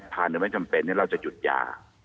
ทานโดยไม่จำเป็นเราจะหยุดยา